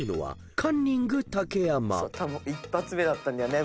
「１発目だったんだよね